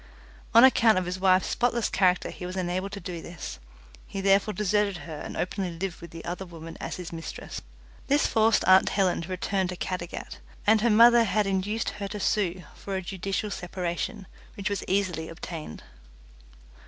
On account of his wife's spotless character he was unable to do this; he therefore deserted her and openly lived with the other woman as his mistress. This forced aunt Helen to return to Caddagat, and her mother had induced her to sue for a judicial separation, which was easily obtained.